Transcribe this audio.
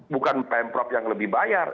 bukan pemprov yang lebih bayar